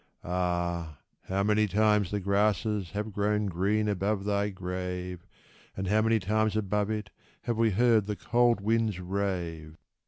Ah ! how many times the grasses have grown green above thy grave, And how many times above it have we heard the cold winds rave